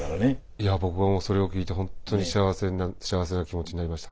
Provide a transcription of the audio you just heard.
いや僕はもうそれを聞いて本当に幸せな気持ちになりました。